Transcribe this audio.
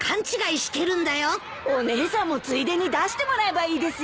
お姉さんもついでに出してもらえばいいですよ。